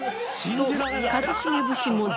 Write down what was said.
と一茂節も全開。